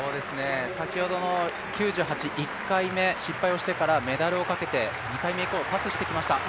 先ほどの９８、１回目失敗をしてからメダルをかけて２回目以降パスしてきました。